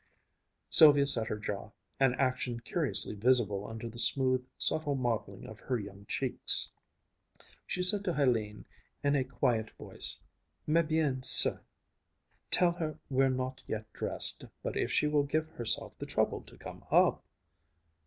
Sylvia set her jaw, an action curiously visible under the smooth, subtle modeling of her young cheeks. She said to Hélène in a quiet voice: "Mais bien sûr! Tell her we're not yet dressed, but if she will give herself the trouble to come up...."